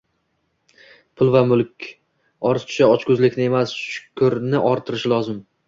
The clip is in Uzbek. pul va mulk ortishi ochko'zlikni emas, shukrini orttirishi lozim.